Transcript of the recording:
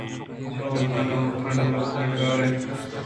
چہ ملتان ءَ مکُران بلوچستانی ڈگار اِنت۔